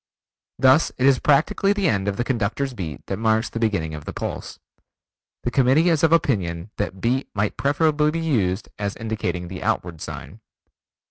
Thus it is practically the end of the conductor's beat that marks the beginning of the pulse. The Committee is of opinion that Beat might preferably be used as indicating the outward sign.